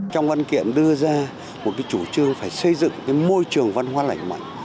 trong văn kiện đưa ra một chủ trương phải xây dựng cái môi trường văn hóa lành mạnh